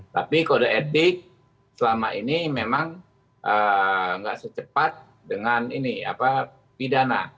tapi kode etik selama ini memang nggak secepat dengan ini pidana